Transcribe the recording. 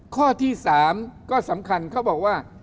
ข้อที่๓ก็สำคัญเขาบอกว่า